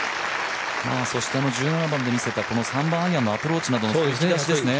１７番で見せた３番アイアンのアプローチなど、引き出しですね。